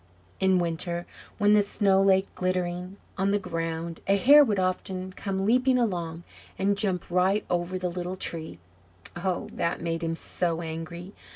In winter, when the snow lay glittering on the ground, a hare would often come leaping along, and jump right over the little Tree. Oh, that made him so angry!